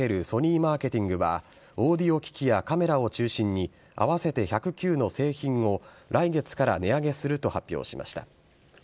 ソニーマーケティングはオーディオ機器やカメラを中心に合わせて１０９の製品を来月から値上げすると発表しました。